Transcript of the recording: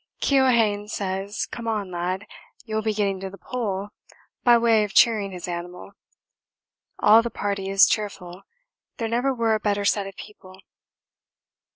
Keohane says 'Come on, lad, you'll be getting to the Pole' by way of cheering his animal all the party is cheerful, there never were a better set of people.